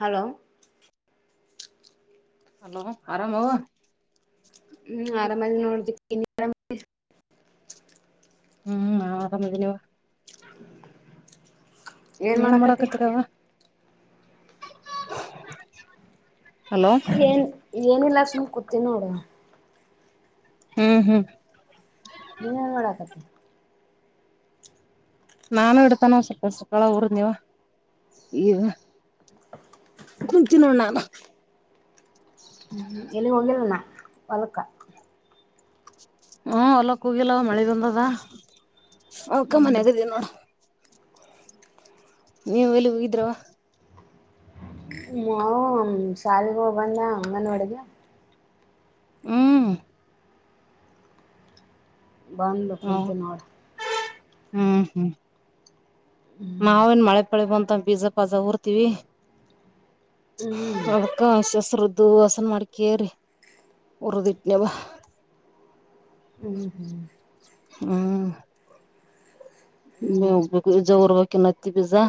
hello hello ಆರಾಮವು ಹ್ಮ್ ಆರಾಮದ ನೋಡ್ದಿ ಇನ್ನ ಹ್ಮ್ ನಾ ತಂದದವಾ ಏನ್ ಮಾಡಕತಿರವ ಹಲೋ ಏನ್ ಏನಿಲ್ಲ ಅಕ್ಷುಮ ಕೂತೀ ನೋಡು ಹ್ಮ್ ಹ್ಮ್ ನೀ ಮಾಡಡಾಕತಿ ನಾನು ಇಡ್ತಾನ ಸ ಸಕ್ಕಳ ಊರ ನೀವ ಈಗ ಕುಂತ ನೋ ನಾನು ಹ್ಮ್ ಎಲ್ಲಿಗ್ ಹೋಗಿಿಲ್ಲನಾ ಪಲ್ಕ ಹ್ಮ ಹೊಲ್ಲ ಕೂಗಿಲ್ಲ ಅವ ಮಳೆ ಬಂದದ ಅವಕ ಮನ್ ಆಾಗದೀ ನೋಡ ನೀವು ಎಲ್ಲಿ ಹೋಗಿದ್ರವ ಮಾವು ಶಾಲೆಗ ಹೋಗ್ ಬಂದ ಅಮ್ಮನ ಒಡುಗೆ ಹ್ಮ್ ಬಂದ್ಬೇಕು ಕುಂತ ನೋಡ ಹ್ಮ್ ಹ್ಮ್ ಹ್ಮ್ ನಾವೇನ್ ಮಳೆ ಪಳಿಬ ಅಂತ ಪಿಜಜಾ ಪಝ ಊರ್ತಿೀವಿ ಹ್ಮ್ ಅವಕ ಶವಶ್ಧ ದು ವಾಸನ್ ಮಾಡ್ ಕೇರಿಿ ಉರ್ದಿಟ್ನೆ ಬ ಹ್ಮ್ ಹ್ಮ್ ಹ್ಮ ಹ್ಮ್ ಬೇಕುಜೋರ್ಬೇಕ ಹತಿ ಪಿಜಾ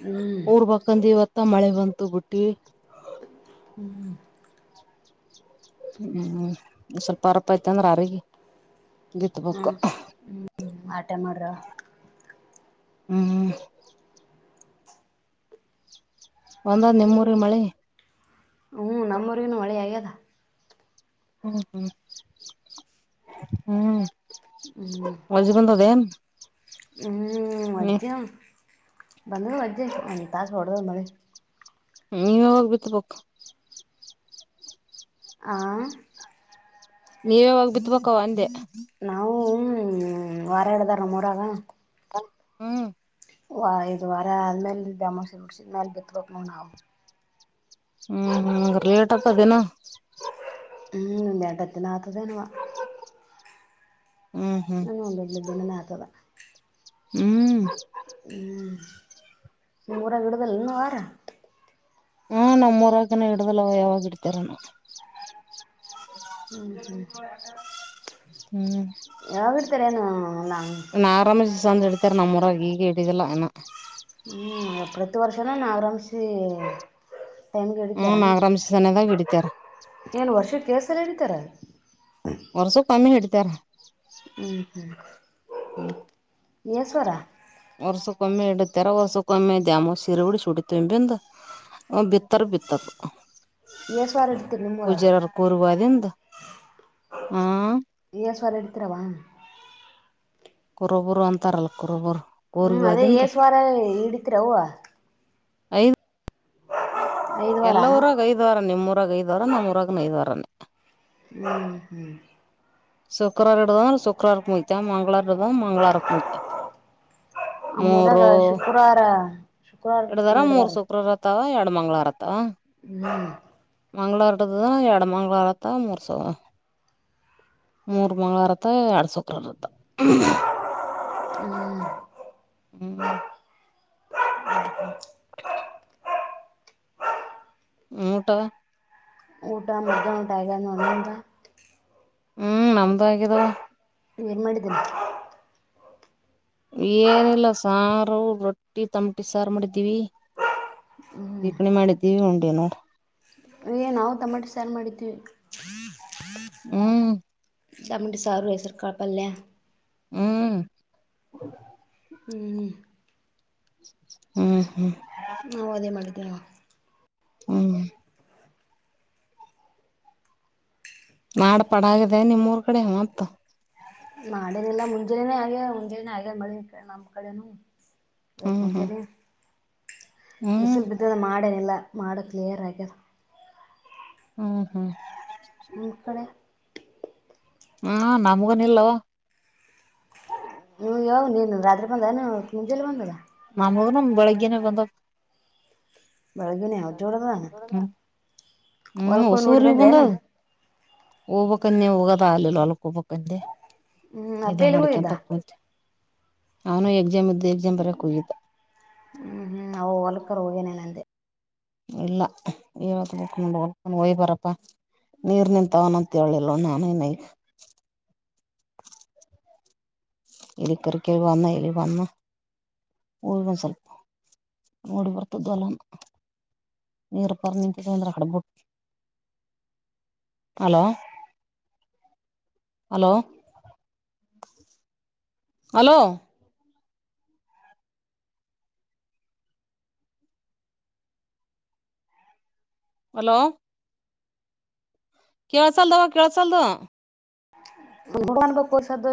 ಹ್ಮ್ ಹ ಬಕಂದ ಮತ್ತ ಮಳೆ ಬಂತು ಬಿುಟ್ಟಿ ಹ್ಮ್ ಹ್ಮ್ ಸ್ವಲ್ಪ ಅರಪ ಆಯ್ತ ಅಂದ್ರ ಆಗ ಹ್ಮ್ ಹ್ಮ್ ಆಟಾ ಮಾಡ್ರ ಹ್ಮ್ ಒಂದಂದ್ ನಿಮ್ಮೂರಿಗೆ ಮಳೆ ಹ್ಞೂ ನಮ್ಮೂರಿಗನು ಮಳೆ ಆಗ್ಯದ ಹ್ಮ್ ಹ್ಮ್ ಹ್ಮ್ ಹ್ಮ್ ಒ ಜೀವನ್ ತದೇನ್ ಹ್ಮ್ ಮಧ್ಯ ಬಂದು ವಜೆ ಅ ತ ಸೋಡದಗೆ ನೀ ಯ ಬಿತಪ ಆ ನೀವಾವಾಗ ಬಿಿತ್ಬೇಕವ ಅಂದೆ ನಾವು ಹಞ ವಾರ ಎ ಹೇಳಡ್ದಾರ ಮೂರಾಗ ಹ್ಮ್ ವಾ ಇದು ವಾರ ಆದ್ಮೇಲೆ ಬೆಮೋಸ ಮುಡ್ಸಿದ್ಮೇಾಲ ಬಿತ್ಬೇಕಕ್ ನ್ ನಾವು ಹ್ಮ್ ಹ ಲೇಟ್ಪ್ಪದನ ಹ್ಮ್ ನಟತ್ತನತದೇನುವಾ ಹ್ಮ್ ಹ್ಮ್ ನಾನ ಒಂದೊ್ದ ದಿನನ ಆತದ ಹ್ಮ್ ಹ್ಮ್ ನಿ ಊರ ಗಿಡ್ದದಲ್ಲಿ ಇನ್ನುೂ ಆಾರ ಹಾ ನಮೂರಕನ ಹಿಡ್ದಲ್ವ ಯಾವಾಗ ಇಡ್ತಾರ ನಾ ಹ್ಮ್ ಹ್ಮ್ ಹ್ಮ್ ಯಾವಾಗಡ ತಿರಾನ ಂದ್ ಹಿಡಿತಾರೆ ನಮ್ಮ ಹೊರಗೆ ಈಗ ಹಿಡಿದಿಲ್ಲಾ ಏ ತ್ತು ವರ್ಷ ನಾ ಆರಾಮ ಹ್ಮ ನಾಗರಾಮಸನ್ನದ ವಿಡ ತ್ತ ಸಲಡಿತಾರೆ ವರ್ಸವ ಕಮ್ಮಿ ಹಿಡ್ತಾರ ಹ್ಮ್ ಹ್ಮ್ ಹ್ಮ ವರ್ಸ ಕಮ್ಮಿ ಎ ತರ ವರ್ಸಕ್ಕ ಒಮ್ಮೆ ದ್ಯಾಮೋ ಶೀರೆ ಉಡಿ ಸುಡಿಿತ ಬಿಂದು ಬಿತ್ತಾರ ಬಿತ್ತತ್ ಏಸು ವಾರ ಹಿಡಿತೀರಿ ಪೂಜಾರ್ರ ಕೂರ್ವ ಅದಿಂದ ಸವರ ಎತರವಾ ಕುರಬರು ಅಂತಾರಲ್ಲ ಕುರಬರು ಹ್ಮ್ ಅದೇ ಏಸ ವಾರ ಹಿಡತಿರ ಅವ ಐದು ಎಲ್ಲ ವಾರ ಊರ ಕೈದವಾರ ನಿಮ್ಮೂರು ರಾಗ ಐದ್ ವಾರ ನಮ್ಮೂರಾಗ ನಐದ್ ವಾರಾನೇ ಹ್ಮ್ ಹ್ಮ್ ಶುಕ್ರಾರಟದ ಶುಕ್ರಾರ ಕು ಮುಯತ ಮಂಗಗಳಾರದ ಮಂಗಗಳಾರ ಕು ಮುಯತ ಆ ಮೂರಗ ಶುಕ್ರವಾರ ಶುಕ್ರವಾರ ಎಡದಾರ ಮೂರ್ ಹಿಡ್ದಾರ ಸುಕ್ರರ್ ಅಥವ ಎರಡು ಮಂಗಗಳಾರ ಹ್ಮ್ ಮಂಗಳವಾರ ಎಡಮ ಮಂಗಳವಾರತ ಮೂರ್ ಸ ಮೂರ್ ಮಂ್ಗಳವಾರತ ಎರಡ್ ಸೌಕ್ರಾರತ ಹ್ಮ್ ಹ್ಮ್ ಮೂಟಾ ಊಟ ಮಗ ಟೈಗರ್ ನೋಂತ ಹ್ಮ್ ನಮ್ದು ಆಗಿದಾವ ನೀವ ೇನ್ ಮಾಡಿದ್ದೀನ ಏನಿಲ್ಲ ಸಾರು ರೊಟ್ಟಿ ತಂಪಟಿ ಸಾರು ಮಾಡಿದ್ದೀವಿ ಹ್ಮ್ ಚೀಪಣಿ ಮಾಡಿದ್ದೀವಿ ಉಂಡೇನು ನಾವು ತಮಟಿ ಸಾರು ಮಾಡಿದೀವಿ ಹ್ಮ್ ಸಾರು ಹೆಸರು ಕಾಳು ಪಲ್ಯ ಹ್ಮ್ ಹ ಹ್ಮ್ ಹ್ಮ್ ಹ್ಮ್ ನಾ್ ಅದೇ ಮಾಡಿ ತ್ತ ಹ್ಮ್ ನಾಡ್ ಪಡಾಗಿದೆ ನಿಮ್ಮ್ೂರ್ ಕಡೆ ಮತ್ತ ಮಾಡೇನಿಲ್ಲ ಮುಂಜಾನೇನೆೇ ಆಗೆ ಮುಂಜಾನೇ ಆಗೆ ಮಳಿ ನಮ್ ಕಡೆನು ಹ್ಮ್ ಹ್ಮ್ ಮುಂಚರಿ ಹ್ಮ್ ಬಿಸಿಲು ಬಿದ್ದ ಮಾಡೇನಿಲ್ಲ ಮಾಡೋ ಕ್ಲಿಯರ್ ಆಗ್ಯದ ಹ್ಮ್ ಹ್ಮ್ ನಮ್ಮ್ ಕಡೆ ಹ್ಮ ನಮ್ಗನ ಇಲ್ವಾ ನೀವು ಯಾವ ನೀನು ರತ್ರಿ ಬಂದದ ಮುುಂಜೆಲ್ಲಿ ಬಂದದಾ ನಮಗನು ಬೆಳಗ್ಗೆನೆ ಬಂದ ಬೆಳಗುನೇ ಅವಚಡಣ ಹ್ಮ್ ಸ ಬಂದದು ಉಊಬ ಕನ್ೆ ಉಗದ ಆ ಅಲಕ ಉಬ ಕಂದೆ ಹ್ಮ್ ಅಪ್ಪೇಲ್ಲ ಹದಾ ಅವನೋ ಎಕ್ಸಾಮ್ ಇದ್ದು ಎಕ್ಸಾಮ್ ಬರಕ್ ಹಗಿದ್ದ ಹ್ಮ್ ಹ್ಮ್ ನವು ಹೊೋಲ್ಕರ್ ಹೋಗೇನ ನ ಅಂದೆ ಇಲ್ಲ ವತ್ ಹಕೊಂಡೊಂಡುೊಂಡ ಹಯ್ ಬರಪ್ಪ ನೀರ್ ನಿಂತಾವನ ಅಂತ ಹೇಳಿಲ್ವ ನಾನನೈಗ ಎಲ್ಲಿ ಕರಿಕ ಭ ಅನ್ನ ಎಲ್ಲಿ ಬ ಅನ್ನ ಹೂ ಒಂದು ಸ್ವಲ್ಪ ನೋಡಿ ಬರ್ತ್ದು ಅಲ್ಲ ನೀರುಪರ್ ನಿಂತ ಅಂದ್ರೆ ಹಡ್ಬಿಟ್ಟು ಹಲೋ ಹಲೋ ಹಲೋ ಹಲೋ ಕೇಳ ಚಲ್ದ ಕೇಳ ಚಲ್ದ ಭಗವನ್ ಬ ಕ ಸಾ್ದ